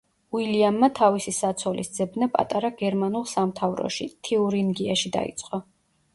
უილიამმა თავისი საცოლის ძებნა პატარა გერმანულ სამთავროში, თიურინგიაში დაიწყო.